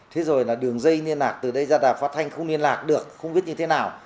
thế rồi là đường dây liên lạc từ đây ra đài phát thanh không liên lạc được không biết như thế nào